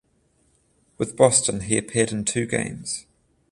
With Boston he appeared in two games.